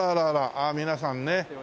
ああ皆さんね。